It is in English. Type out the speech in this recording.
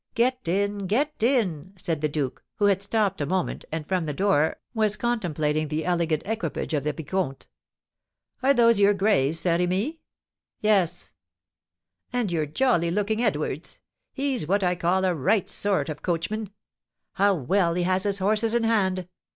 "Get in! Get in!" said the duke, who had stopped a moment, and, from the door, was contemplating the elegant equipage of the vicomte. "Are those your grays, Saint Remy?" "Yes." "And your jolly looking Edwards! He's what I call a right sort of coachman. How well he has his horses in hand!